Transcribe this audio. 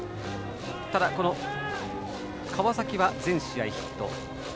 ただ、川崎は全試合ヒット。